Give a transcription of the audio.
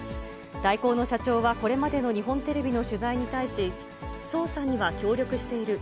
大広の社長はこれまでの日本テレビの取材に対し、捜査には協力している。